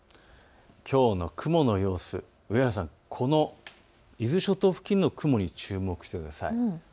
きょうの雲の様子、上原さん、この伊豆諸島付近の雲に注目してください。